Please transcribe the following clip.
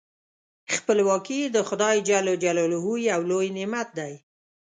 خپلواکي د خدای جل جلاله یو لوی نعمت دی.